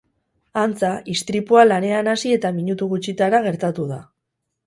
Antza, istripua lanean hasi eta minutu gutxitara gertatu da.